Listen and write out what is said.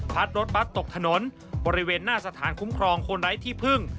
รถบัตรตกถนนบริเวณหน้าสถานคุ้มครองคนไร้ที่พึ่ง